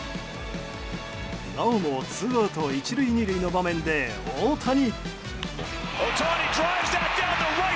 なおもツーアウト１塁２塁の場面で大谷。